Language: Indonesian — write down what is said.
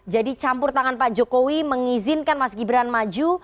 jadi campur tangan pak jokowi mengizinkan mas gibran maju